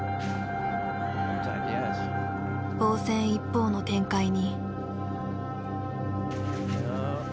防戦一方の展開に。